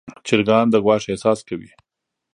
چرګان د ګواښ احساس کوي.